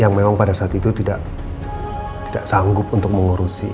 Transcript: yang memang pada saat itu tidak sanggup untuk mengurusi